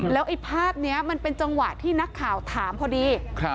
แล้วไอ้ภาพนี้มันเป็นจังหวะที่นักข่าวถามพอดี